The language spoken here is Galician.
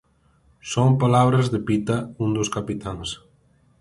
Son palabras de Pita un dos capitáns.